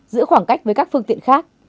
giữ khoảng cách với các phương tiện khác